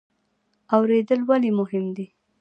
اوریدل ولې مهم دي؟